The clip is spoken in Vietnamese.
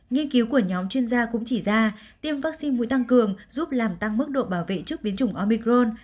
nghiên cứu của nhóm chuyên gia cũng chỉ ra tiêm vaccine mũi tăng cường giúp làm tăng mức độ bảo vệ trước biến chủng omicron